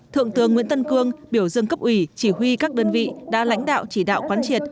thượng tướng nguyễn tân cương biểu dương cấp ủy chỉ huy các đơn vị đã lãnh đạo chỉ đạo quán triệt